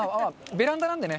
ベランダなんでね。